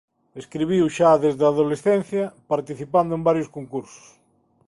Escribiu xa desde a adolescencia participando en varios concursos.